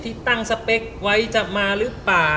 ที่ตั้งสเปคไว้จะมาหรือเปล่า